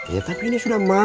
ya tapi ini sudah masuk